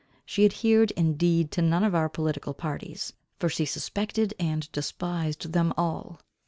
She adhered indeed to none of our political parties, for she suspected and despised them all.